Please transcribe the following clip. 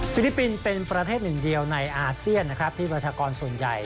ลิปปินส์เป็นประเทศหนึ่งเดียวในอาเซียนนะครับที่ประชากรส่วนใหญ่